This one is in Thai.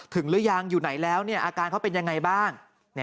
หรือยังอยู่ไหนแล้วอาการเขาเป็นยังไงบ้าง